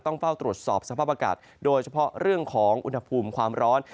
ต้องเฝ้าตรวจสอบสภาพอากาศโดยเฉพาะเรื่องของอุณหภูมิความร้อน